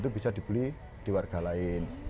itu bisa dibeli di warga lain